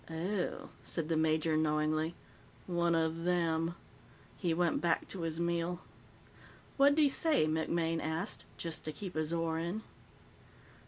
"Oh," said the major knowingly. "One of them." He went back to his meal. "What'd he say?" MacMaine asked, just to keep his oar in.